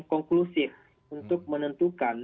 konklusif untuk menentukan